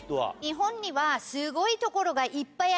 日本にはすごいところがいっぱいあります。